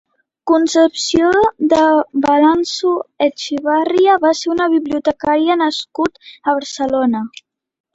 Concepció de Balanzó Echevarria va ser un bibliotecària nascut a Barcelona.